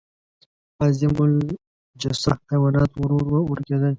عظیم الجثه حیوانات ورو ورو ورکېدل.